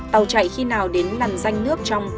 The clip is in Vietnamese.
tàu chạy khi nào đến lằn danh nước trong